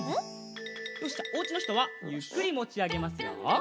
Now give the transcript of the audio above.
おうちのひとはゆっくりもちあげますよ。